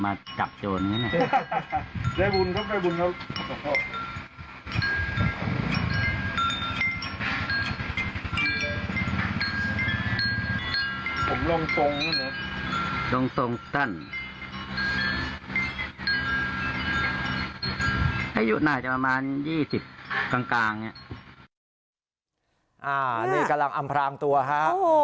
นี่กำลังอำพรางตัวฮะ